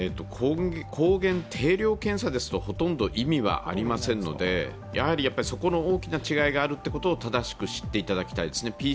抗原定量検査ですと、ほとんど意味はありませんので、そこの大きな違いがあることを正しく知ってほしいです。